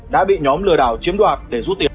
đã bị nhóm lừa đảo chiếm đoạt để rút tiền